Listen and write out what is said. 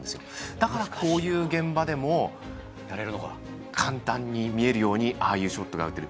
だからこういう現場でも簡単に見えるようにああいうショットが打てる。